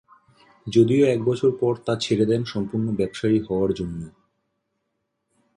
যদিও একবছর পর তা ছেড়ে দেন সম্পূর্ণ ব্যবসায়ী হওয়ার জন্য।